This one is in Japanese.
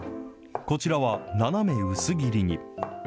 こちらは斜め薄切りに。